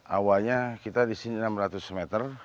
awalnya kita di sini enam ratus meter